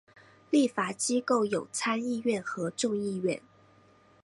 立法机构有参议院和众议院。